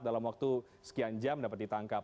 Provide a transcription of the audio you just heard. dalam waktu sekian jam dapat ditangkap